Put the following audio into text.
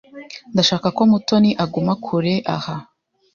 Ndashaka ko Mutoni aguma kure aha.